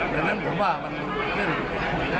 ดังนั้นผมว่าใช่ไหม